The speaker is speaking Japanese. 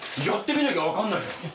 やってみなきゃ分かんないだろ。